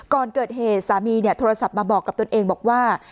ก่อนเกิดเหตุสามีโทรศัพท์มาบอกกับตนเองบอกว่า